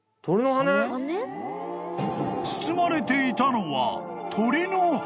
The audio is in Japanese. ［包まれていたのは］